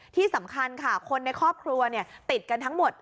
ที่สำคัญค่ะคนในครอบครัวติดกันทั้งหมด